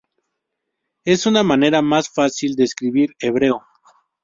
Es una manera más fácil de escribir hebreo.